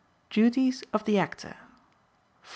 Duties of the Actor 4.